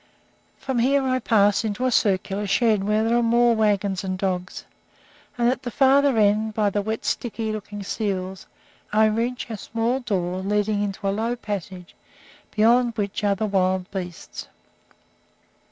From here I pass into a circular shed, where are more wagons and dogs, and at the farther end by the wet, sticky looking seals I reach a small door leading into a low passage, beyond which are the wild beasts.